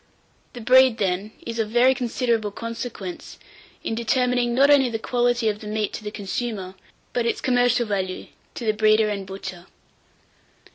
The breed, then, is of very considerable consequence in determining, not only the quality of the meat to the consumer, but its commercial value to the breeder and butcher.